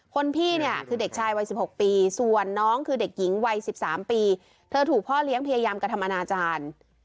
พี่เนี่ยคือเด็กชายวัย๑๖ปีส่วนน้องคือเด็กหญิงวัย๑๓ปีเธอถูกพ่อเลี้ยงพยายามกระทำอนาจารย์